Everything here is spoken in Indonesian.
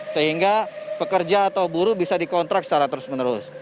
sehingga pekerja atau buruh bisa dikontrak secara terus menerus